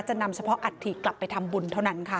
นำเฉพาะอัฐิกลับไปทำบุญเท่านั้นค่ะ